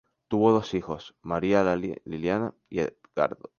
Tuvo dos hijos, María Liliana y Edgardo.